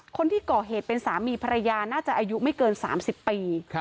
คนที่ก่อเหตุเป็นสามีภรรยาน่าจะอายุไม่เกิน๓๐ปี